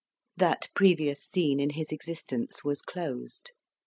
That previous scene in his existence was closed.